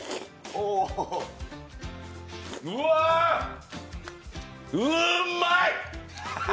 うわー！うーまい！